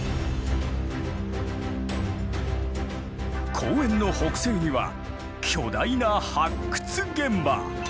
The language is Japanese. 公園の北西には巨大な発掘現場。